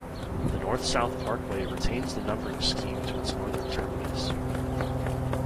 The north-south parkway retains the numbering scheme to its northern terminus.